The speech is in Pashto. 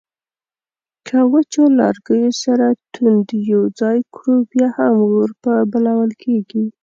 که وچو لرګیو سره توند یو ځای کړو بیا هم اور په بلول کیږي